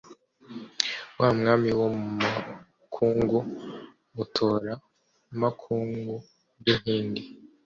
Wa Mwami wo mu makungu, Mutora-makungu, Rwinkindi